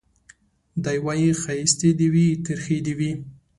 دی وايي ښايستې دي وي ترخې دي وي